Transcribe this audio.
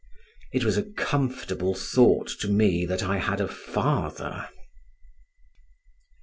It was a comfortable thought to me that I had a father.